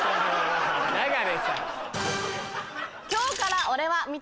流行さん。